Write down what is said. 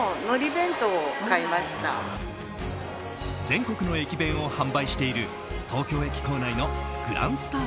全国の駅弁を販売している東京駅構内のグランスタ